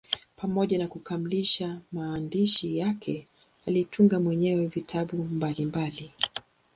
Pamoja na kukamilisha maandishi yake, alitunga mwenyewe vitabu mbalimbali.